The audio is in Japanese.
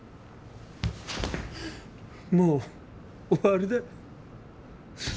もう終わりだ。